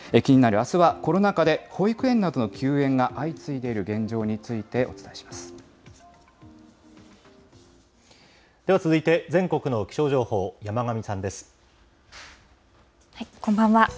あすはコロナ禍で保育園などの休園が相次いでいる現状では、続いて全国の気象情報、こんばんは。